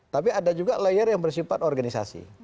tapi ada juga layer yang bersifat organisasi